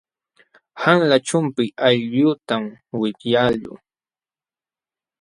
Qanla chumpi allqutam wipyaaluu.